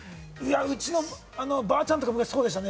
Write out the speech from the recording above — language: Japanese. うちのばあちゃんとかそうでしたね。